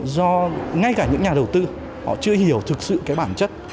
do ngay cả những nhà đầu tư họ chưa hiểu thực sự cái bản chất